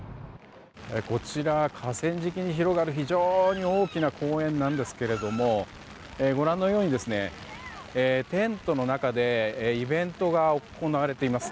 こちら、河川敷に広がる非常に大きな公園なんですがご覧のように、テントの中でイベントが行われています。